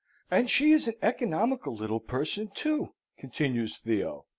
And she is an economical little person, too," continues Theo.